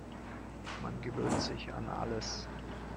Man gewöhnt sich an alles.